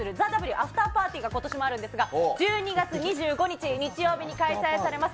アフターパーティーがことしもあるんですが、１２月２５日日曜日に開催されます。